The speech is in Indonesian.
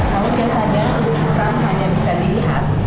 kalau biasa saja lukisan hanya bisa dilihat